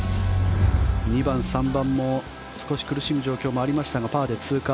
２番、３番も少し苦しむ状況もありましたがパーで通過。